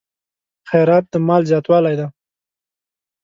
خیرات د مال زیاتوالی دی.